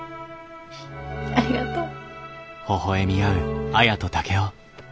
ありがとう。